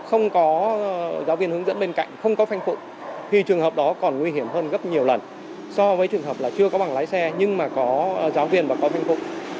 không có giáo viên hướng dẫn bên cạnh không có phanh phụng thì trường hợp đó còn nguy hiểm hơn rất nhiều lần so với trường hợp là chưa có bằng lái xe nhưng mà có giáo viên và có phanh phụng